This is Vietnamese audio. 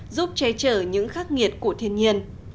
giúp che chở những khắc nghiệt của thiên nhiên